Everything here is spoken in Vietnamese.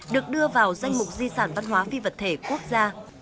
được đưa vào danh mục di sản văn hóa phi vật thể quốc gia